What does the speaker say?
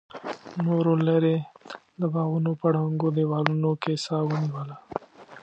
نورو ليرې د باغونو په ړنګو دېوالونو کې سا ونيوله.